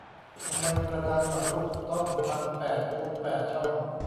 ทำไมกระดานหมากรุกต้องทำแปดคูณแปดช่อง